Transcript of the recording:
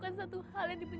kamu baru mulaimother